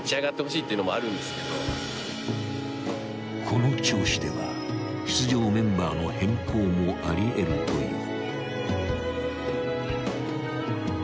［この調子では出場メンバーの変更もあり得るという］